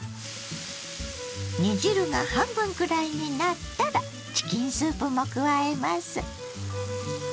煮汁が半分くらいになったらチキンスープも加えます。